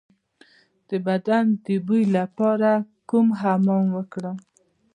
د بدن د بوی لپاره کوم حمام وکړم؟